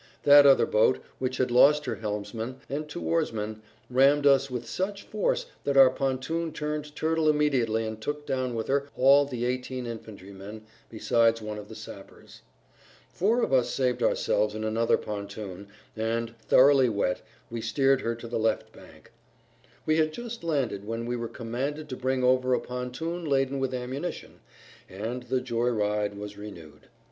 That other boat, which had lost her helmsman, and two oarsmen, rammed[Pg 48] us with such force that our pontoon turned turtle immediately and took down with her all the eighteen infantrymen besides one of the sappers. Four of us saved ourselves in another pontoon and, thoroughly wet, we steered her to the left bank. We had just landed when we were commanded to bring over a pontoon laden with ammunition, and the "joy ride" was renewed.